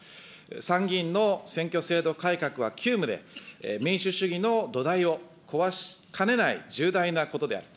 参議院の選挙制度改革は急務で、民主主義の土台を壊しかねない重大なことである。